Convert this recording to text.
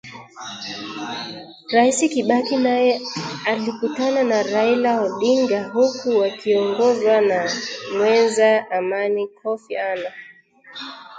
Rais Kibaki naye alikutana na Raila Odinga huku wakiongozwa na mweneza-amani Koffi Anan